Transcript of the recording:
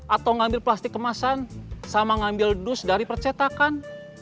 atau ngambil plastik kemasan sama ngambil dus dari percetakan